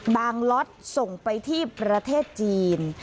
ล็อตส่งไปที่ประเทศจีน